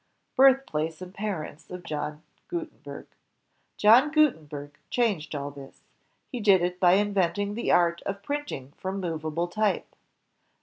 Birthplace and Parents of John Gutenburg John Gutenberg changed all this. He did it by in venting the art of printing from movable type.